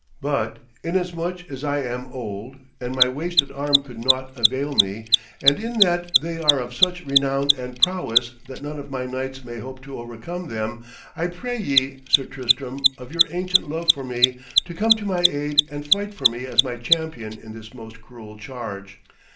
But inasmuch as I am old, and my wasted arm could naught avail me, and in that they are of such renown and prowess that none of my knights may hope to overcome them, I pray ye, Sir Tristram, of your ancient love for me, to come to my aid and fight for me as my champion in this most cruel charge.